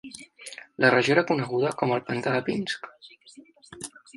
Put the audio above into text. La regió era coneguda com el "pantà de Pinsk".